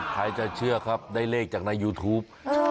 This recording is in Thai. ใครจะเชื่อครับได้เลขจากในยูทูป